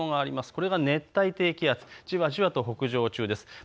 これが熱帯低気圧、じわじわと北上中です。